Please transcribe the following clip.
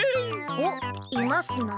おっいますなあ。